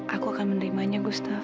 aku akan menerimanya gustaf